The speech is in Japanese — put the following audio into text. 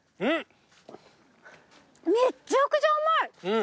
めっちゃくちゃ甘い。